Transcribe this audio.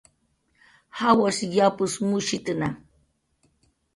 Jawash japus mushitna